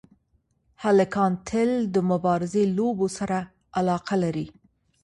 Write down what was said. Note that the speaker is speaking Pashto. هلکان تل د مبارزې لوبو سره علاقه لري.